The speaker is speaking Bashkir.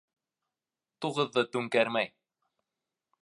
Туғыҙҙы түңкәрмәй